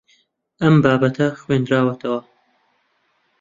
ئەم بابەتە خوێندراوەتەوە.